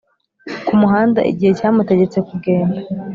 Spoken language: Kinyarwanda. ku muhanda igihe cyamutegetse kugenda.